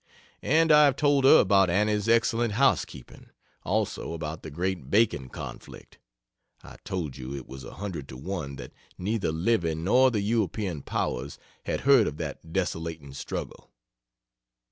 And I have told her about Annie's excellent house keeping, also about the great Bacon conflict; (I told you it was a hundred to one that neither Livy nor the European powers had heard of that desolating struggle.)